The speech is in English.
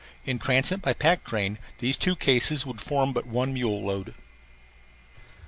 In transit by pack train these two cases would form but one mule load.